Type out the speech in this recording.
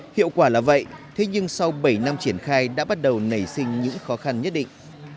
hiệu quả là vậy thế nhưng sau bảy năm triển khai đã bắt đầu nảy sinh những khó khăn nhất định